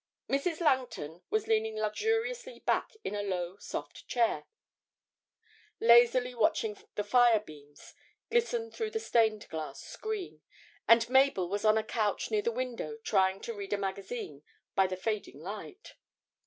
Mrs. Langton was leaning luxuriously back in a low soft chair, lazily watching the firebeams glisten through the stained glass screen, and Mabel was on a couch near the window trying to read a magazine by the fading light.